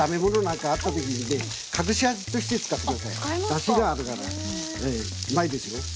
だしがあるからうまいですよ。